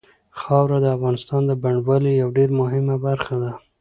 خاوره د افغانستان د بڼوالۍ یوه ډېره مهمه برخه ده.